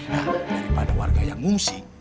nah daripada warga yang mengungsi